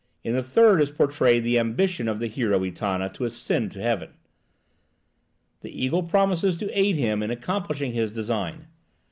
In the third is portrayed the ambition of the hero Etana to ascend to heaven. The eagle promises to aid him in accomplishing his design.